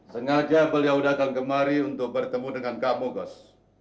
sengaja beliau datang kemari untuk bertemu dengan kamu gus